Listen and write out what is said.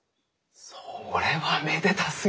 それはめでたすぎる。